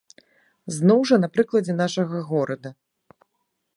Зноў жа на прыкладзе нашага горада.